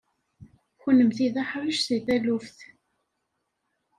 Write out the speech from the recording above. Kennemti d aḥric seg taluft.